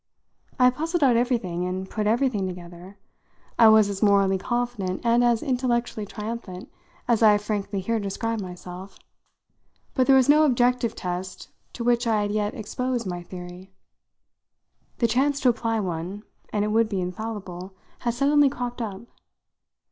I had puzzled out everything and put everything together; I was as morally confident and as intellectually triumphant as I have frankly here described myself; but there was no objective test to which I had yet exposed my theory. The chance to apply one and it would be infallible had suddenly cropped up.